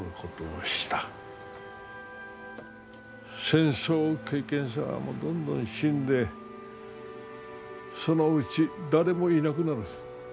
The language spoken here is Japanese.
戦争経験者もどんどん死んでそのうち誰もいなくなる。